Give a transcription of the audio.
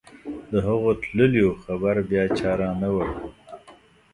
د هغو تللیو خبر بیا چا رانه وړ.